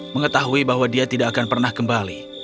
mengetahui bahwa dia tidak akan pernah kembali